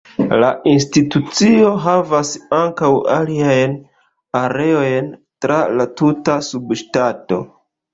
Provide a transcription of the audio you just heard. La institucio havas ankaŭ aliajn areojn tra la tuta subŝtato.